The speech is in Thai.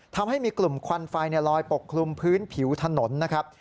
ทำให้มีกลุ่มควันไฟลอยปกคลุมพื้นผิวถนนนะครับ